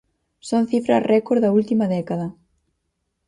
Son cifras récord da última década.